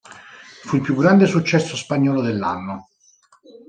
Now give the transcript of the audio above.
Fu il più grande successo spagnolo dell'anno.